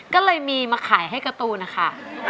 ไม่มีมาขายให้การ์ตูน่ะค่ะ